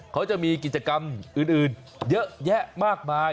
เขาจะมีกิจกรรมอื่นเยอะแยะมากมาย